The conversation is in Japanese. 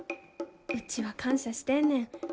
うちは感謝してんねん。